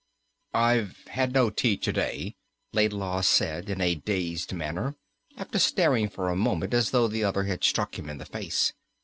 "I've had no tea to day," Laidlaw said, in a dazed manner, after staring for a moment as though the other had struck him in the face.